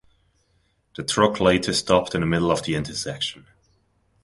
The truck later stopped in the middle of the intersection.